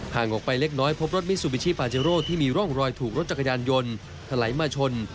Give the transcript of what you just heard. ห่างออกไปเล็กน้อยพบรถมิซูบิชิปาเจโร่ที่มีร่องรอยถูกรถจักรยานยนต์ถลายมาชน